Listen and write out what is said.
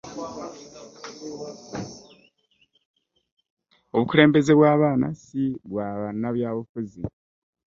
Obukulembeze bw'abaana si byabufuzi.